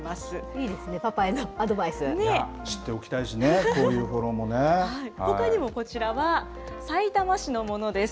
いいですね、知っておきたいしね、こういほかにもこちらはさいたま市のものです。